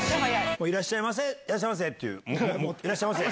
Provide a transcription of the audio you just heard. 「いらっしゃいませ！」っていう「いらっしゃいませ！」